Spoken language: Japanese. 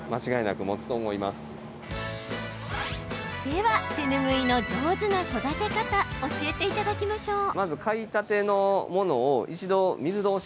では、手ぬぐいの上手な育て方教えていただきましょう。